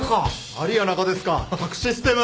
ありやなかですか宅・システム。